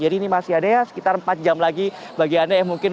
jadi ini masih ada ya sekitar empat jam lagi bagi anda ya mungkin